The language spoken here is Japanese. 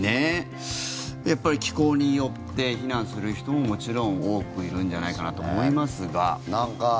やっぱり気候によって避難する人ももちろん多くいるんじゃないかなと思いますが。